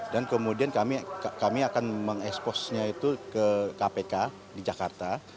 dan kemudian kami akan mengeksposnya itu ke kpk di jakarta